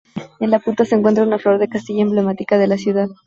En la punta se encuentra una flor de Castilla, emblemática de la ciudad.